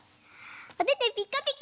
おててピッカピカ！